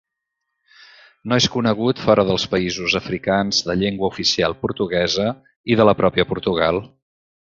No és conegut fora dels països africans de llengua oficial portuguesa i de la pròpia Portugal.